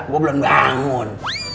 gua belum bangun